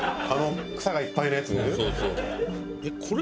あの草がいっぱいのやつ？